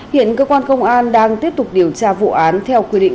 hiện cơ quan công an đang tiếp tục điều tra vụ án theo quy định